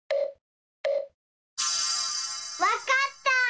わかった！